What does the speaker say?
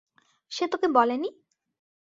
সে তোকে বলেনি?